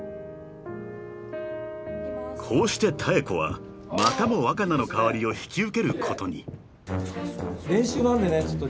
［こうして妙子はまたも若菜の代わりを引き受けることに］座って座って。